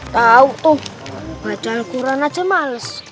tau tuh baca al quran aja males